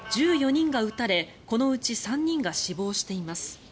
１４人が撃たれこのうち３人が死亡しています。